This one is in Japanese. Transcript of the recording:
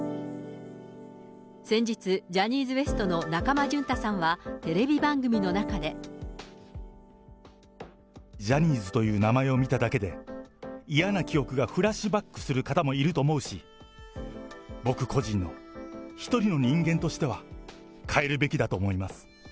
先日、ジャニーズＷＥＳＴの中間淳太さんはテレビ番組の中で。ジャニーズという名前を見ただけで、嫌な記憶がフラッシュバックする方もいると思うし、僕個人の、一人の人間としては、変えるべきだと思います。